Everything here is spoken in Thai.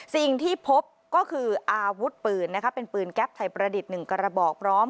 สิ่งที่พบก็คืออาวุธปืนนะคะเป็นปืนแก๊ปไทยประดิษฐ์๑กระบอกพร้อม